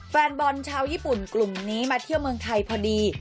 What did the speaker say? แฟนบอลชาวญี่ปุ่นกลุ่มนี้มาเที่ยวเมืองไทยพอดี